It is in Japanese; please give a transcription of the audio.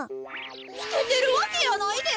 つけてるわけやないで！